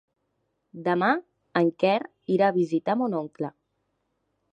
Demà en Quer irà a visitar mon oncle.